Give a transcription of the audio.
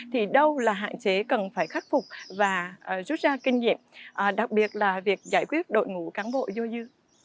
thì đâu là hạn chế cần phải khắc phục và rút ra kinh nghiệm đặc biệt là việc giải quyết đội ngũ cán bộ dôi dư